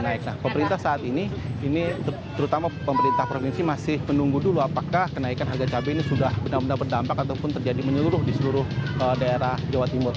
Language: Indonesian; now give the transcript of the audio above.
nah pemerintah saat ini ini terutama pemerintah provinsi masih menunggu dulu apakah kenaikan harga cabai ini sudah benar benar berdampak ataupun terjadi menyeluruh di seluruh daerah jawa timur